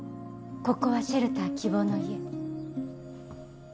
ここはシェルター希望の家。